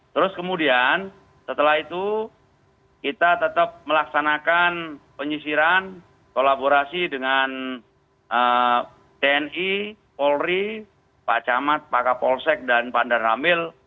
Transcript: terus kemudian setelah itu kita tetap melaksanakan penyisiran kolaborasi dengan tni polri pak camat pak kapolsek dan pandaramil